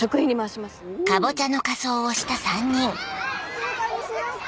静かにしようか。